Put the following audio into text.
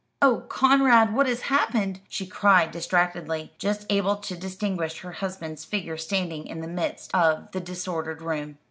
"Oh, Conrad, what has happened?" she cried distractedly, just able to distinguish her husband's figure standing in the midst of the disordered room.